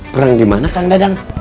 perang dimana kang dadang